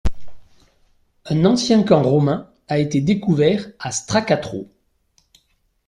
Un ancien camp romain a été découvert à Stracathro.